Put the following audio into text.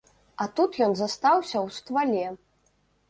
А тут ён застаўся ў ствале.